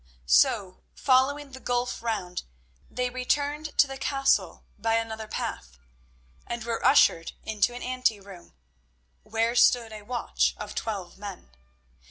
So, following the gulf round, they returned to the castle by another path, and were ushered into an ante room, where stood a watch of twelve men.